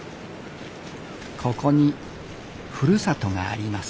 ここにふるさとがあります。